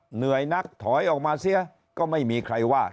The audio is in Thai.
เหนื่อยนักถอยออกมาเสียก็ไม่มีใครว่า